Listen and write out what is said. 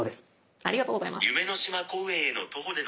ありがとうございます。